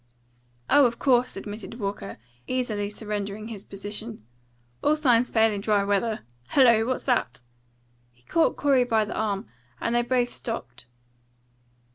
"Oh, of course," admitted Walker, easily surrendering his position. "All signs fail in dry weather. Hello! What's that?" He caught Corey by the arm, and they both stopped.